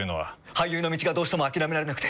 俳優の道がどうしても諦められなくて。